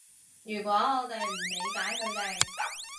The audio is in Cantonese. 如果我哋唔理解佢哋